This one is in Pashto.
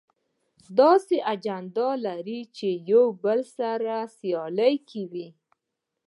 داسې اجنډا لرل چې يو بل سره سیالي کې وي.